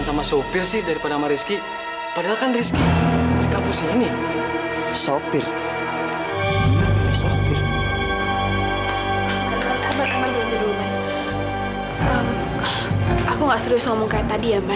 sampai jumpa di video selanjutnya